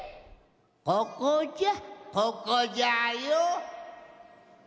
ここじゃここじゃよ。